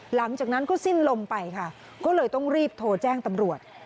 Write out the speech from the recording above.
หลังจากนั้นก็สิ้นลมไปค่ะก็เลยต้องรีบโทรแจ้งตำรวจ